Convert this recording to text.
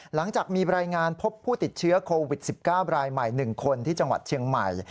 หลังจากมีรายงานพบผู้ติดเชื้อโควิด๑๙รายใหม่๑คนที่จังหวัดเชียงใหม่